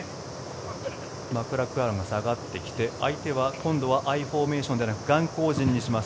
マクラクランが下がってきて相手は今度はアイフォーメーションではなく雁行陣にします。